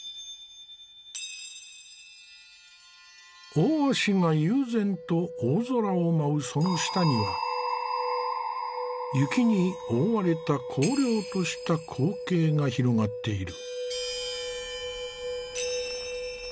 大鷲が悠然と大空を舞うその下には雪に覆われた荒涼とした光景が広がっている。